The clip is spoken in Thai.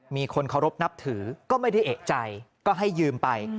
มีคนเคารพนับถือก็ไม่ได้เอกใจก็ให้ยืมไป